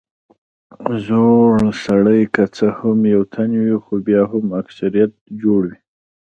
زړور سړی که څه هم یو تن وي خو بیا هم اکثريت جوړوي.